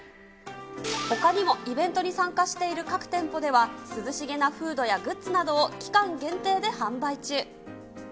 ほかにも、イベントに参加している各店舗では、涼しげなフードやグッズなどを期間限定で販売中。